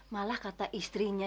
malah kata istrinya